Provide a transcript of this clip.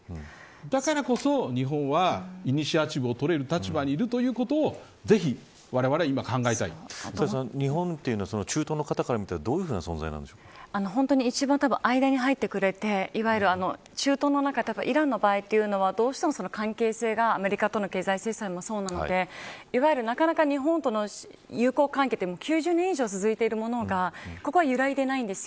だからこそ日本はイニシアチブを取れる立場にあるということを日本は中東の人から考えたら一番、間に入ってくれてイランの場合というのはどうしても関係性がアメリカとの経済制裁もそうなので日本との友好関係も９０年以上続いているところは揺らいでいないんです。